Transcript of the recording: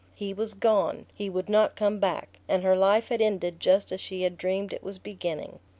He was gone; he would not come back; and her life had ended just as she had dreamed it was beginning.